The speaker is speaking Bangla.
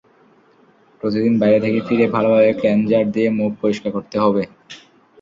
প্রতিদিন বাইরে থেকে ফিরে ভালোভাবে ক্লেনজার দিয়ে মুখ পরিষ্কার করতে হবে।